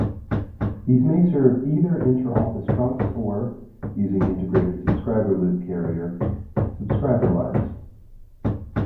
These may serve either interoffice trunks or, using Integrated Subscriber Loop Carrier, subscriber lines.